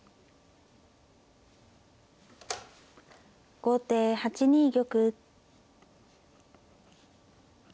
後手８二玉。